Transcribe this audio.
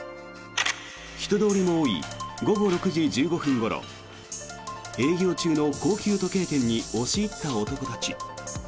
人通りも多い午後６時１５分ごろ営業中の高級時計店に押し入った男たち。